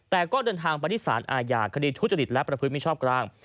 แต่ก็เดินทางไปที่สารอาญาคดีทุจริตและประพฤติมิชชอบกลาง